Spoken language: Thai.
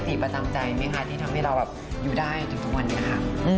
ประจำใจไหมคะที่ทำให้เราอยู่ได้จนถึงทุกวันนี้ค่ะ